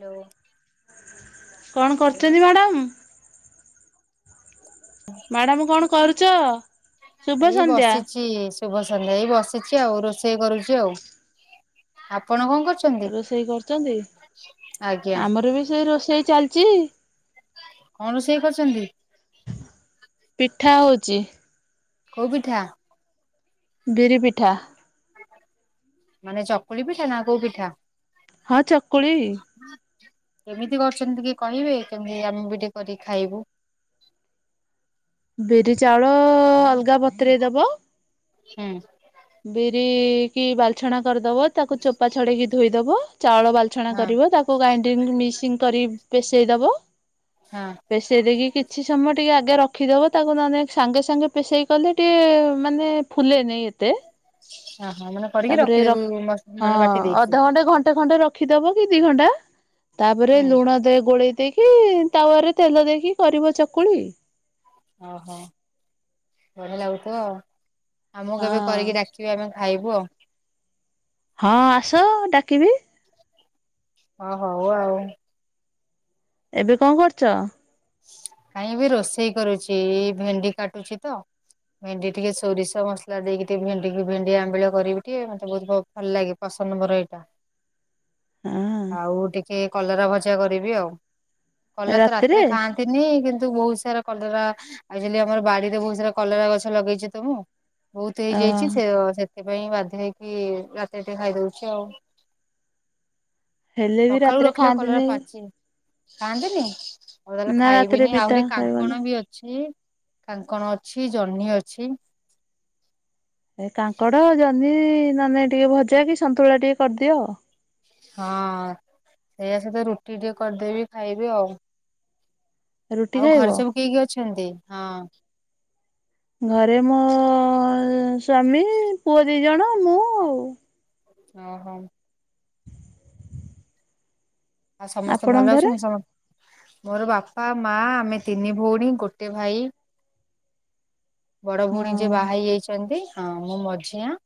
Hello କଣ hello. କରୁଛନ୍ତି madam? Madam କଣ କରୁଛ ଶୁଭ ଏଇ ସନ୍ଧ୍ୟା। ବସିଛି ଶୁଭ ସନ୍ଧ୍ୟା ଏଇ ବସିଛି ଆଉ ରୋଷେଇ କରୁଛି ଆଉ ଆପଣ କଣ କରୁଛୁ ରୋଷେଇ କରୁଛନ୍ତି ଆଜ୍ଞା ଆମର ବି ସେଇ ରୋଷେଇ ଚାଲିଛି କଣ ରୋଷେଇ କରଛନ୍ତି ପିଠା ହେଉଛି କୋଉ ପିଠା ବିରି ପିଠା ମାନେ ଚକୁଳି ପିଠା ନା କୋଉ ପିଠା ହଁ ଚକୁଳି କେମିତି କରଛନ୍ତି ଟିକେ କହିବେ କେମିତି ଆମେ ବି ଟିକେ କରିକି ଖାଇବୁ ବିରି ଚାଉଳ ଅଲଗା ବତରେ ଦବ ହୁଁ ବିର କି ବାଲ୍ଛଣା କରିଦବ ତାକୁ ଚୋପା ଛଡେଇକି ଧୋଇଦବ ଚାଉଳ ବାଲଛଣା ହଁ କରିବ ତାକୁ ଗ୍ରାଇଣ୍ଡ୍ରଙ୍ଗ ମିସିଂ କରି ପସେଇ ଦବ ହଁ ପେେଶେଇ ଦେଇକି କିଛି ସମୟ ଟିକେ ଆଗେ ରଖିଦେବ ତାକୁ ନହେଲେ ସାଙ୍ଗେ ସାଙ୍ଗେ ପେଷେଇ କଲେ ଟିକିଏ ମାନେ ଫୁଲେ ନାଇ ଏତେ ହ ହଁ ମାନେ କରିକି ତାପରେଖ ରଖିଦେବୁ ହଁ ମାନେ ବାଟି ଦେଇକି ଅଧଘଣ୍ଟେ ଘଣ୍ଟେ ଖଣ୍ଟେ ରଖ ରଖିଦବ କି ଦି ଘଣ୍ଟା ତାପରେ ହୁଁ ଲୁଣ ଦେଇ ଗୋଳେଇ ଦେଇକି ତାୱାରରେ ତେଲ ଦେଇକି କରିବ ଚକୁଳି ଓହୋ ଭଲ ଲାଗୁଥ ଆମକୁ କେବେ ହଁ। କରିକି ଡାକ ଆମେ ଖାଇବୁ ଆଉ ହଁ ଆସ ଡାକିବି ହ ହଉ ଆଉ ଏବେ କଣ କରୁଛ କହିଁ ବି ରୋଷେଇ କରୁଛି ଭେଣ୍ଡି କାଟୁଛି ତ ଭେଣ୍ଡି ଟିକେ ସୋରିଷ ମସଲା ଦେଇକି ଟିକେ ଭେଣ୍ଡିି ଭେଣ୍ଡି ଆବିଳ କରିବି ଟିକେ ମତେ ବହୁତ ଭଲ ଲାଗେିବ ପସନ୍ଦବର ଏଇଟା ହଁ ଆଉ ଟିକେ କଲରା ଭଜା କରିବି ଆଉ କଲରା ତ ରାତିରେ ନି କିନ୍ତୁ ବହୁତ ସାରା କଲରା ଆଚୁଲି ଆମର ବାଡିରେ ବହୁତ ସାରା କଲରା ଗଛ ଲଗେଇଛ ତମକୁ ବହୁତ ଅ ହେଇଯାଇଛି ସେ ସେଥିପାଇଁ ବାଧ୍ୟ ହେଇକି ରାତି ଟିକେ ଖାଇଦଉଛି ଆଉ ହେଲେ ବି ରା ସଖାଳୁ ରାତିରେ ରଖିଲେ କଲରା ଖାଆନ୍ତିନି ପାଚି ଖାଆନ୍ତିନି ଆଉ ତାହେଲେ ନା ରାତିରେ ଖାଇବିନି ପିତା ଆହୁରି ଖାଇବନି। କାଙ୍କଣ ବି ଅଛି କାଙ୍କଣ ଅଛି ଜହ୍ନି ଅଛି ଏ କାଙ୍କଡ଼ ଜହ୍ନି ନହେଲେ ଟିକେ ଭଜା କି ସନ୍ତୁଳା ଟିକେ କରିଦିଅ ଆଉ ହଁ ସେଇଆା ସହିତ ରୁଟି ଟିକେ କରିଦେଇବି ଖାଇବି ଆଉ ରୁଟି ଆଉ ଖାଇବ? ଘରେ ସବୁ କେକ ଅଛନ୍ତି ହଁ ଘରେ ମୋ ସ୍ଵାମୀ ପୁଅ ଦିଇ ଜଣ ମୁଁ ଆଉ ଓହୋ ଆଉ ସମସ୍ତେ ଆପଣଙ୍କ ଭଲ ଘରେ? ଅଛନ୍ତି ସମସ୍ତେ ମୋର ବାପା ମା ଆମେ ତିନି ଭଉଣୀ ଗୋଟେ ଭାଇ [inaudible] ବଡ ଭଉଣୀ ଯି ବାହା ହେଇ ଯାଇଛନ୍ତି ହଁ ମୋ ମଝିଆ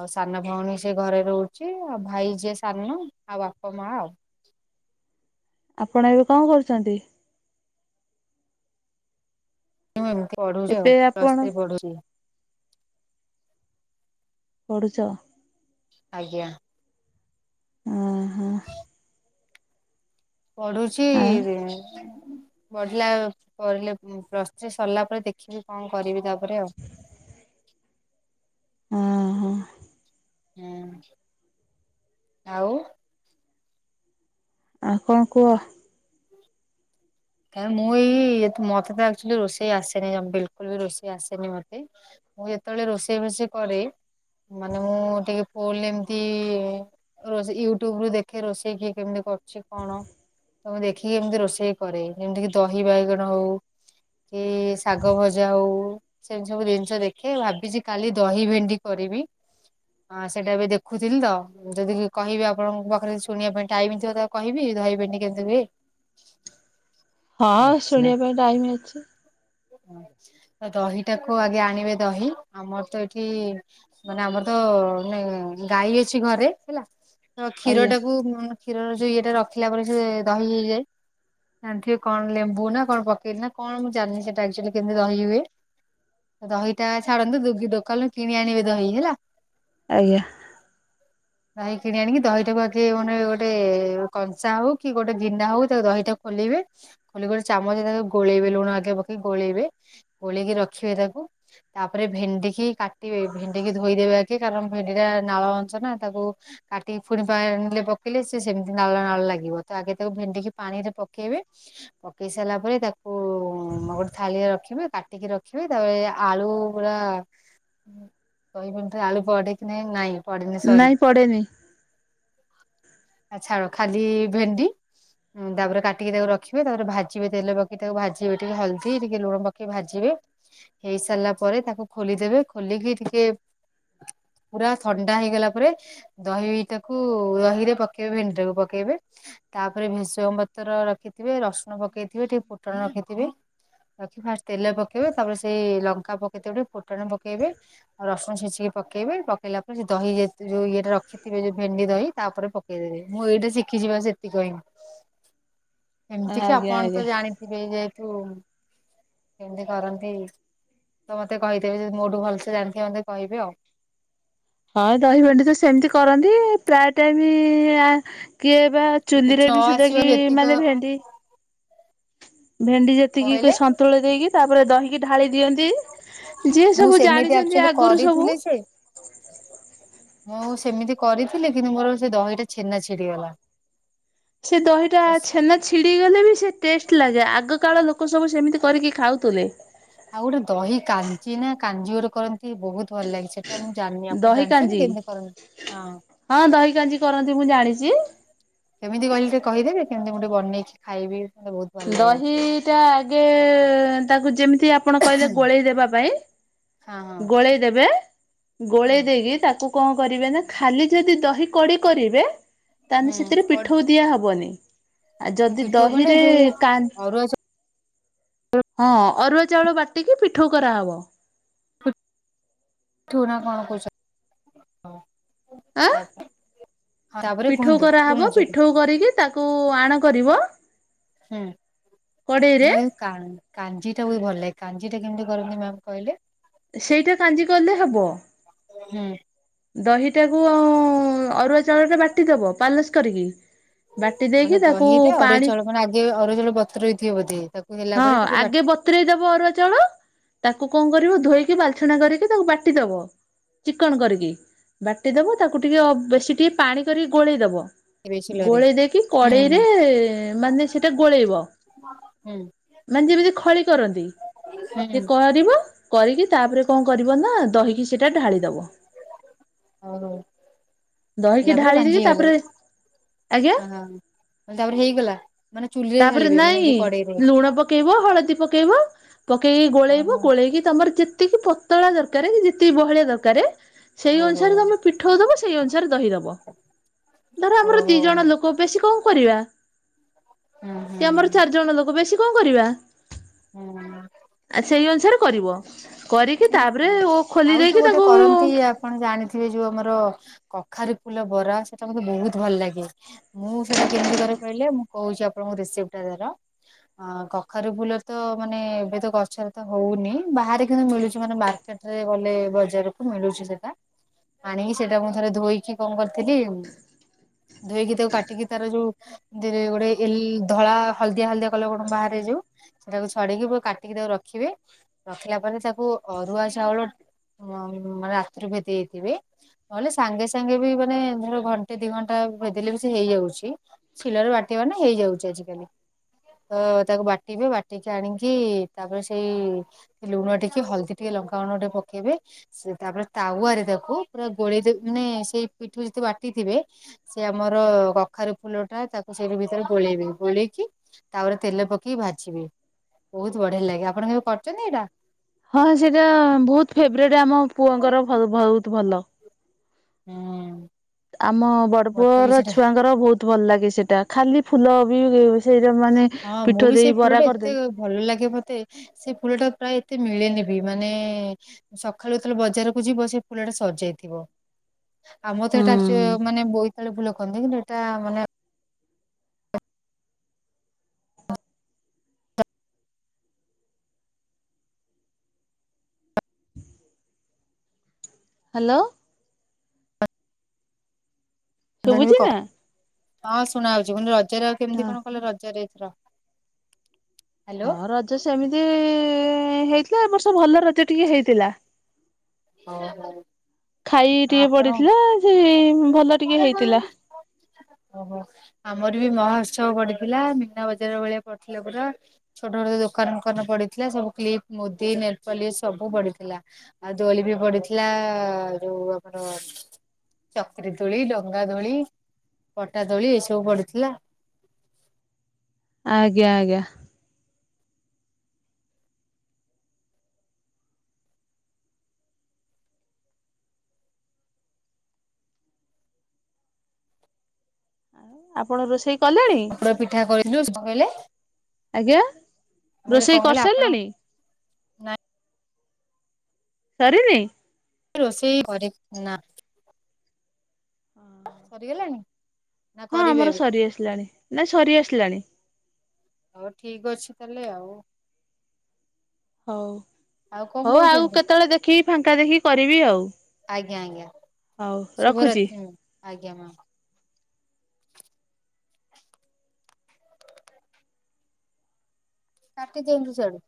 ଆଉ ସାନ ଭଉଣୀ ସି ଘରେ ରହୁଛି ଆଉ ଭାଇ ଯିଏ ସାନ ଆଉ ବାପା ମା ଆଉ ଆପଣ ଏବେ କଣ କରୁଛନ୍ତି ମୁଁ ଏମତି ପଢଛି ଏବେ ଆଉ ଆପଣ ପଢଛି ପଢୁଛ ଆଜ୍ଞା ଓ ହୋ ପଢୁଛି ଆଉ ବଢିଲା ପିଲେ ପ୍ଲସ୍ ଥ୍ରୀ ସରିଲା ପରେ ଦେଖିବି କଣ କରିବି ତାପରେ ଆଉ ହଁ ହ ହୁଁ ଆଉ ଆଉ କଣ କୁହ ହଁ କଁ ମୁଁଇ ମତେ ତଚୁଲି ରୋଷେଇ ଆସେନି ବିଲକୁଲ ବି ରୋଷେଇ ଆସେନି ମତେ ମୁଁ ଯେତେବେଳେ ରୋଷେଇ ଫଷେଇ କରେ ମାନେ ମୁଁ ଟିକେ ଫୁଲ ଏମିତି ରୋଷେଇ ୟୁଟ୍ୟୁବ ରୁ ଦେଖେ ରୋଷେଇ କିଏ କେମିତି କରୁଛି କଣ ତମେ ଦେଖିକି ଏମିତି ରୋଷେଇ କରେ ଯେମିତି କିି ଦହି ବାଇଗଣ ହଉ କି ଶାଗ ଭଜା ହଉ ସେମିତି ସବୁ ଜିନିଷ ଦେଖେ ଭାବିଛି କାଲି ଦହି ଭେଣ୍ଡି କରିବି ହଁ ସେଇଟା ଏବେ ଦେଖୁଥିଲି ତ ଯଦି କହିବେ ଆପଣଙ୍କ ପାଖରେ ଶୁଣିବା ପାଇଁ ଟାଇମିଥିବକୁ କହିବି ରହିବିନି କେମତି ହୁଏ ହଁ ଶୁଣିବା ପାଇଁ ଟାଇମ ଅଛି ହ ତ ଦହିଟାକୁ ଆଗେ ଆଣିବେ ଦହି ଆମର ତ ଏଇଠି ମାନେ ଆମର ତ ମାନେ ଗାଈ ଅଛି ଘରେ ହେଲା ତ କ୍ଷୀର ଆଜ୍ଞା ଟାକୁ କ୍ଷୀରୋଉ ଇଟା ରଖିଲା ପରେ ସେ ଦହି ହେଇଯାଏ ଜଥିବ କଣ ଲେମ୍ବୁ ନା କଣ ପକେଇ ନା କଣ ମୁଁ ଜାଣିଲି ସେଟାଚୁଆଲି କେମତି ରହି ହୁଏ ଦହିଟା ଛାଡନ୍ତୁ ଦୁ ଦୋକାନରୁ କିଣି ଆଣିବେ ଦହି ହେଲା ଆଜ୍ଞା ଦହି କିଣି ଆଣିକି ଦହିଟାକୁ ଆଗେ ମାନେ ଗୋଟେ କଂସା ହଉ କି ଗୋଟେ ଗିଣ୍ଡା ହଉ ତା ଦହିଟାକୁ ଖୋଲେଇବେ ଖୋଲ ଗୋଟେ ଚାମଚ ତାକୁ ଗୋଳେଇବେ ଲୁଣ ଆଗେ ପଖେଇ ଗୋଳେଇବେ ପୋଳକି ରଖିବେ ତାକୁ ତାପରେ ଭେଣ୍ଡି କିି କାଟିବେ ଭେଣ୍ଡି କିି ଧୋଇଦେବେ ଆଗେ କାରଣ ଭେଣ୍ଡି ଟା ନାଳ ଅଂଶ ନା ତାକୁ କାଟି ଫୁଣିଣିଲେ ପକେଇଲେ ସେ ସେମିତି ନାଳ ନାଳ ଲାଗିବ ତ ଆଗେ ତାକୁ ଭେଡିିକି ପାଣି ରେ ପକେଇବେ ପକେଇ ସାରିଲା ପରେ ତାକୁ ଆମ ଗୋଟେ ଥାଳିଆରେ ରଖିବେ କାଟିକି ରଖିବେ ତାପରେ ଆଳୁ ପୁରା କହିପ ତ ଆଳୁ ପଡେ କି ନାାଇ ନାଇଁ ପଡେନି ସରି ନାଇଁ [inaudible] ଆଛା ଆ ଖାଲି ଭେଣ୍ଡି ହଁ ତାପରେ କାଟିକି ତାକୁ ରଖିବେ ତାରେ ଭାଜିବେ ତେଲ ପକି ତାକୁ ଭାଜିବେ ଟିକେ ହଲଦୀ ଟିକେ ଲୁଣ ପକେଇ ଭାଜିବେ ହେଇ ସାରିଲା ପରେ ତାକୁ ଖୋଲିଦେବେ ଖୋଲିକି ଟିକେ ପୁରା ଥଣ୍ଡା ହେଇଗଲା ପରେ ଦହିଟାକୁ ଦହି ରେ ପକେଇବେ ଭେଣ୍ଡି ଟାକୁ ପକେଇବେ ତାପରେ ଭେଷଙ୍ଗ ବତର ରଖିଥିବେ ରସୁଣ ପକେଇଥିବେ ଟିକେ ପୁଟଣ ରଖିଥିବେ। ରଖି ଫାଷ୍ଟ ତେଲ ପକେଇବେ ତାପରେ ସେଇ ଲଙ୍କା ପକେଇଥ ଗୋଟେ ଫୁଟଣ ପକେଇବେ। ଆଉ ରସଣିଚିକି ପକେଇବେ ପକେଇଲା ପରେ ସେ ଦହି ଯତ ଯୋଉ ଇଟା ରଖ ଶଖଥିବେ ଯୋଉ ଭେଣ୍ଡି ଦହି ତାପରେ ପକେଇଦେବେ ମୁଁ ଏଇଟା ଶିଖିଯିବା ସେତିକ କହିହି ଏମିତି କି ଆଜ୍ଞା ଆପଣ ତ ଆଜ୍ଞା। ଜାଣିଥିବେ ଯେହେତୁ କେମିତି କରନ୍ତି ତ ମତେ କହିଦେବେ ଯି ମୋଠୁ ଭଲସେ ଜାଣିଥିବେ ମତେ କହିବେ ଆଉ ହଁ ଦହି ଭେଣ୍ଡି ତ ସେମିତି କରନ୍ତି ପ୍ରାୟ ଟାଇମ କିଏ ବା କିଛି ଚୁନ୍ଦିରେ ନ ବି ସୁଦ୍ଧା ଆସିବ କି ଯେତିକ ମାନେ ଭେଣ୍ଡି ଭେଣ୍ଡି ଯେତିକି କହିଲେ ସନ୍ତୁଳ ଦେଇକି ତାପରେ ଦହିକି ଢାଳି ଦିଅନ୍ତି। ଯିଏ ମୁଁ ସବୁ ସେମିତି ଜାଣିଛନ୍ତି ଆକ୍ଚୁଆଲି ଆଗରୁ ସବୁ। କରିଥିଲି ଯେ ମୁଁ ସେମିତି କରିଥିଲି କିନ୍ତୁ ମୋର ସେ ଦହିଟା ଛେନା ଛିଡିଗଲା। ସେ ଦହିଟା ତ ଛେନା ଛିଡି ଗଲେ ବି ସେ ଟେଷ୍ଟ ଲାଗେ ଆଗ କାଳ ଲୋକ ସବୁ ସେମିତି କରିକି ଖାଉଥିଲେ ଆଉ ଗୋଟେ ଦହି କାଞ୍ଚି ନା କାଞଜି ଗୋଟେ କରନ୍ତି। ଟିକେ ବହୁତ ଭଲ ଲାଗେ ସେଟା ମୁଁ ଜାଣିନି ଆପଣ ଦହି ଜାଣିଛେ କାଞ୍ଜି ନା କେମିତି କରନ ହଁ ହଁ ଦହିକ, କରନ୍ତି ମୁଁ ଜାଣିଛି- କେମିତି କହି ଟିକ କହିଦେବେ କେମିତି ଗଟେ ବେଇକଛି ଖାଇବି ମେ ବହୁତ- ଭଲ ଲାଗେ ଆକ୍ଚୁଆଲି ଦହିଟା ଆଗେ ତାକୁ ଯେମିତି ଆପଣ କହିଲେ ଗୋଳେଇ ଦେବା ପାଇଁ ହଁ ହଁ ଗୋଳେଇ ଦେବେ ହୁଁ ଗୋଳେଇ ଦେଇକି ତାକୁ କଣ କରିବେ ନା ଖାଲି ଯଦି ଦହି କଡି କରିବେ! ତାହେଲେ ହୁଁ ସେଥିରେ କଡ୍- ପିଠ ଦିଆହବନି ଆଉ ମାନେ ଯଦି ପିଠଉ ମାନେ ଦହିରେ ଯୋଉ ଅରୁଆ ହଁ ଅରୁଆ ଚାଉଳ ବାଟିକି ପିଠୋ କରାହବ। ୁ ନା କଣ ପଛ [unintelligible] ଆ ତାପରେ ପିଠଉ କୁହନ୍ତୁ କରାହେବ ଶୁଣୁଛି ହୁଁ ପିଠୋ କରିକି ତାକୁ ଆଣ କରିବ। ହୁଁ ଆ କଡେଇରେ [unintelligible] କାଞ୍ଜି ଟା ହ ଭଲ ଲାଗେ କାଞଜିୀଟା କେମିତି କରି ମ୍ୟାମ୍ କହିଲେ। ସେଇଟା କାଞ୍ଜି ଗଲେ ହବ ହୁଁ ଦହିଟାକୁ ଆ ଅରୁଆ ଚାଉଳଟା ବାଟିଦବ ପାଲସ କରିକି ବାଟି ମାନେ ଦେଇକି ତାକୁ ଦହିରେ ଅରୁଆ ପାଣି ଚାଉଳ ମାନେ ଆଗେ ଅରଜଳ ବତ୍ର ଇଥିବ ବଧେ ତାକୁ ହେଲା ହଁ ପରେ ଟିକେ ଆଗେ, କତରେେଇ ଦବ ଅରୁଆ ଚାଳ ତାକୁ କଣ କରିବ ଧୋଇକି ବାଲଛଣା କରିକି ତାକୁ ବାଟିଦବ ଚିକନ କରିକି ବାଟିଦବ ତାକୁ ଟିକେ ବେଶୀ ଟିକେ ପାଣି କରିକି ଗୋଳେଇଦବ ବାଟିବେ ଶିଳରେ ଗୋଳେଇ ଦେଇକି ହୁଁ ହୁଁ। କଡେଇରେ ମାନେ ସେଇଟା ଗୋଳେଇବ। ହୁଁ, ମାନେ ଯେମିତି ଖଳି କରନ୍ତି ହୁଁ ସେି କରିବ କରିକି ତାପରେ କଣ କରିବ ନା ଦହିକି ସେଇଟା ଢାଳିଦବ! ହଉ ହଉ ହେଲା ଦହିକି ପରେ ଢାଳି କାଞ୍ଜି ଦେଇକି ହେଇଗଲା ତାପରେ ଆଜ୍ଞା! ମେ ଆର ହେଇଗଲା। ମାନେ ଚୁଲିରେ ତାପରେ ଢାଳିବେ ମାନେ ନାଇଁ ଯୋଉ କଡେଇରେ ଲୁଣ ପକେଇବ ହଳଦୀ ପକେଇବ ପକେଇକି ଗୋଳେଇବ ଓହୋ ଗୋଳେଇକି ତମର ଯେତିକି ପତଳା ଦରକାର କି ଯେତିକି ବହଳିଆ ଦରକାର ସେଇ ଓହୋ ଅନୁସାରେ ତମେ ପିଠ ଦବ ସେଇ ଅନୁସାରେ ଦହି ଦବ ଧର ଆମର ଦି ଓହୋ ଜଣ ଲୋକ କ ବେଶୀ କଣ କରିବା। ହୁଁ ହୁଁ, କି ଆମର ଚାରିଜଣ ଲୋକ ବେଶୀ କଣ କରିବା। ହୁଁ ଆ ସେଇ ଅନୁସାରେ କରିବ କରିକି ତାପରେ ହଁ ଓ ଖୋଲି ଆଉ ଯୋଉ ଦେଇକି ଗୋଟେ ତାର କରନ୍ତି ଆପଣ ଜାଣିଥିବେ ଯୋଉ ଆମର କଖାରୁ ଫୁଲ ବରା ସେଇଟା ମତେ ବହୁତ ଭଲ ଲାଗେ ମୁଁ ସେଇଟା କେମିତି କରେ କହିଲେ ମୁଁ କହୁଛି ଆପଣଙ୍କୁ ରେସିପି ତାର ହଁ କଖାରୁ ଫୁଲ ତ ମାନେ ଏବେ ତ ଗଛରେ ତ ହଉନି ବାହାରେ କିନ୍ତୁ ମିଳୁଛି ମାନେ ମାର୍କେଟ ରେ ଗଲେ ବଜାରକୁ ମିଳୁଛି ସେଟା ଆଣିକି ସେଇଟା ମୁଁ ଥରେ ଧୋଇକି କଣ କରିଥିଲି ଧୋଇକି ତାକୁ କାଟିକି ତାର ଯୋଉ ଧ୍ଲ ରେ ଗୋଟେ ଧଳା ହଳଦିଆ ହଳଦଆ କଲ କଣ ବାହାରେ ଯୋଉ ସେଟାକୁ ଛଡିକି ତାକୁ କାଟିକି ତାକୁ ରଖିବେ ରଖିଲା ପରେ ତାକୁ ଅରୁଆ ଚାଉଳ ହ ରାତିରୁ ଭିଯେଇଥିବେ ନହେଲେ ସାଙ୍ଗେ ସାଙ୍ଗେ ବି ମାନେ ଧର ଘଣ୍ଟେ ଦି ଘଣ୍ଟା ଭେଦଲେ ବି ସେ ହେଇଯାଉଛି ସିଳରେ ବାଟିବ ନା ହେଇଯାଉଛି ଆଜିକାଲି ତ ତାକୁ ବାଟିବେ ବାଟିକି ଆଣିକି ତାପରେ ସେଇ ଲୁଣ ଟିକେ ହଳଦୀ ଟିକେ ଲଙ୍କାଗୁଣ୍ଡ ଟେ ପକେଇବେ ସେ ତାପରେ ତାୱରେ ଦେଖ ପୁରା ଗୋଳେଇ ମାନେ ସେଇ ପିଠୁ ଯଦି ବାଟିଥିବେ। ସେ ଆମର କଖାରେ ଫୁଲ ଟା ତାକୁ ସେଇଠି ଭିତରେ ଗୋଳେଇବେ ଗୋଳେଇକି ତାପରେ ତେଲ ପକେଇକି ଭାଜିବି ବହୁତ ବଢିଆ ଲାଗେ ଆପଣ କେବେ କରୁଛନ୍ତି ଏଇଟା ହଁ ସେଇଟା ବହୁତ ଫେବରଟ୍ ଆମ ପୁଅଙ୍କର ବହୁତ ଭଲ ହୁଁ ଆମ ମତେ ବି ବଡପୁଅର ସେଟା ଛୁଆଙ୍କର ବହୁତ ଭଲ ଲାଗେ ସେଟା ଖାଲି ଫୁଲ ବି ସେଇଟା ମାନେ ହଁ ମୁଁ ପିଠ ବି ସେଇ ଦେଇ ଫୁଲଟା ବରା ଏତେ କରିଦେଲେ ଭଲ ଲାଗେ ମତେ ସେ ଫୁଲ ଟା ପ୍ରାୟ ଏତେ ମିଳେନି ବି ମାନେ ସକାଳୁ ଯେତେବେଳେ ବଜାରକୁ ଯିବ ସେ ଫୁଲଟା ସରିଯାଇଥିବ ଆମର ତ ହଁ ଏଇଟାଚୁ ହ୍ୟାଲୋ ମାନେ ବୋଇତିଆଳୁ ଫୁଲ କହନ୍ତି କିନ୍ତୁ ଏଇଟା ମାନେ ହ୍ୟାଲୋ ଜାଣିବି ଶୁଭୁଛି କ ନା? ହଁ ଶୁଣା ଯାଉଛି ରଜରେ ଆଉ ହଁ। କେମିତି କଣ କଲ ରଜରେ ୍ର ହଁ ରଜ ସେମିତି ହେଇଥିଲା ଏବ ବର୍ଷ ଭଲ ରଜ ଟିକେ ହେଇଥିଲା ହଁ ହ ଖାଇ ଟିକେ ପଡିଥିଲା ସେ ଭଲ ଟିକେ ହେଇଥିଲା ଓହୋ ଆମର ବି ମହୋତ୍ସବ ପଡିଥିଲା ମିନା ବଜାର ଭଳିଆ ପଡିଥିଲା ପୁରା ଛୋଟ ଛୋଟ ଦୋକାନ ଫୋକାନ ପଡିଥିଲା ସବୁ କ୍ଲିପ ମୁଦି ନେଟପଲି ସବୁ ପଡିଥିଲା ଆଉ। ଦୋଳି ବି ପଡିଥିଲା ଯୋଉ ଆମର ଚକରି ଦୋଳି ଡଙ୍ଗା ଦୋଳି ପଟା ଦୋଳି ଏସବୁ ପଡୁଥିଲା। ଆଜ୍ଞା ଆଜ୍ଞା। ଆପଣ ରୋଷେଇ କଲେଣି? ପତର ପିଠା କରିିଲୁ ଦିନ ବେଳେ। ଆଜ୍ଞା କଣ ରୋଷେଇ କହିଲେ ଆପଣ କରିସାରିଲେଣି? ନାଇଁ ସରିନି। ରୋଷେଇ ଘରେ ନା। ଓଁ ସରିଗଲାଣି? ନା ହଁ କରିବେ ଆମର ଏବେ ସରି ଆସିଲାଣି ନାଇ ସରି ଆସିଲାଣି। ହଉ ଠିକ ଅଛି ତାହେଲେ ଆଉ। ହଉ ଆଉ କଣ ହଉ ଆଉ କହୁଛନ୍ତି କେତେବେଳେ ଦେଖିକି ଫାଙ୍କା ଦେଖିକି କରିବି ଆଉ। ଆଜ୍ଞା ଆଜ୍ଞା ହଉ ରଖୁଛି। ଶୁଭରାତ୍ରି ଆଜ୍ଞା ମ୍ୟାମ ଆଜ୍ଞା ମ୍ୟାମ। କାଟି ଦିଅନ୍ତୁ ସିଆଡୁ।